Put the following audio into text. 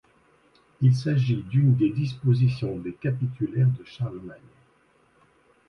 Il s'agit d'une des dispositions des capitulaires de Charlemagne.